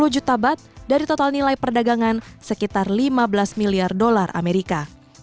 dua puluh juta bat dari total nilai perdagangan sekitar lima belas miliar dolar amerika